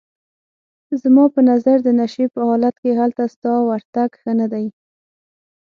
زما په نظر د نشې په حالت کې هلته ستا ورتګ ښه نه دی.